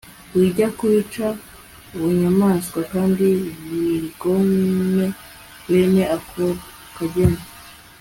wijya kubica bunyamaswa kandi kigome bene ako kageni